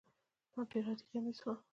ډېر عادي کمیس و.